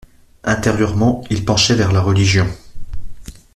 Intérieurement, il penchait vers la Religion.